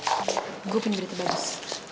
aurel gue punya berita bagus